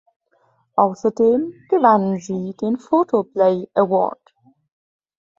Außerdem gewannen sie den Photoplay Award.